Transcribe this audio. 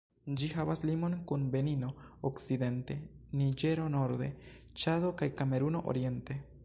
Ĝi havas limon kun Benino okcidente, Niĝero norde, Ĉado kaj Kameruno oriente.